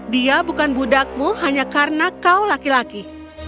dia bukan budakmu hanya karena kau laki laki